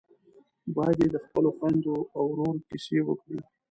بيا یې د خپلو خويندو او ورور کيسې وکړې.